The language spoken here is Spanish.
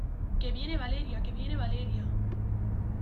que viene Valeria, que viene Valeria.